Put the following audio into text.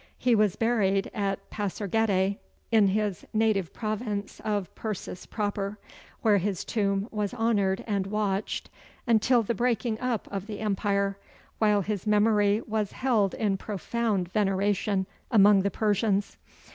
He was buried at Pasargadæ, in his native province of Persis proper, where his tomb was honored and watched until the breaking up of the empire, while his memory was held in profound veneration among the Persians.